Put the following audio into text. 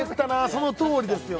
そのとおりですよね